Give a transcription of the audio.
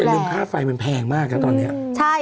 แล้วอย่าลืมค่าไฟมันแพงมากอะตอนนี้